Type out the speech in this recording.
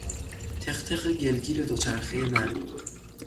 تق تق گلگیر دوچرخهی من